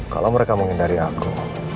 kalau mereka menghindari aku